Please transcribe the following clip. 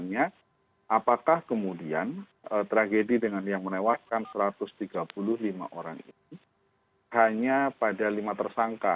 apakah kemudian tragedi dengan yang menewaskan satu ratus tiga puluh lima orang ini hanya pada lima tersangka